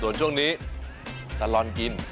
ส่วนช่วงนี้ตลอดกิน